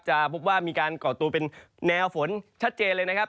จะพบว่ามีการก่อตัวเป็นแนวฝนชัดเจนเลยนะครับ